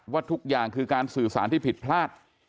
ทุกอย่างคือการสื่อสารที่ผิดพลาด